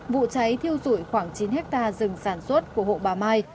vụ cháy thiêu dụi khoảng chín hectare rừng sản xuất của hộ bà mai